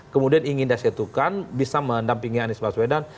kemudian ingin disatukan bisa mendampingi anies baswedan